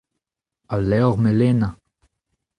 Al levr melenañ.